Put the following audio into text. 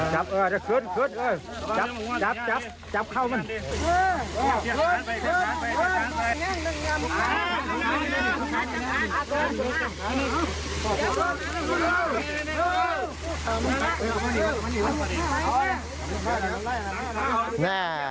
จับเออขึ้นเออจับจับเข้ามัน